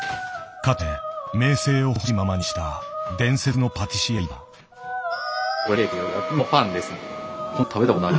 かつて名声をほしいままにした伝説のパティシエがいた。